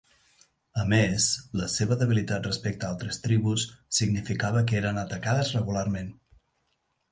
A més, la seva debilitat respecte a altres tribus significava que eren atacades regularment.